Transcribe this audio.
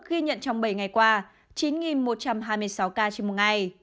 ghi nhận trong bảy ngày qua chín một trăm hai mươi sáu ca trên một ngày